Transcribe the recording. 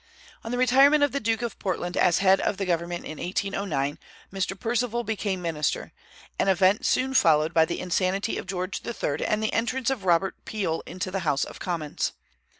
On the retirement of the Duke of Portland as head of the government in 1809, Mr. Perceval became minister, an event soon followed by the insanity of George III. and the entrance of Robert Peel into the House of Commons.